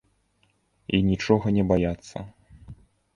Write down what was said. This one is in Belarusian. І нічога не баяцца!